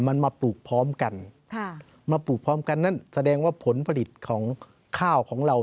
มันมาปลูกพร้อมกันมาปลูกพร้อมกันนั้นแสดงว่าผลผลิตของข้าวของเรา